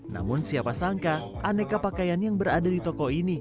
namun siapa sangka aneka pakaian yang berada di toko ini